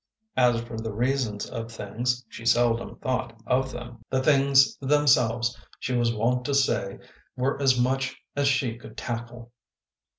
As for the reasons of things, she seldom thought of them. The things them selves she was wont to say were as much as she could tackle.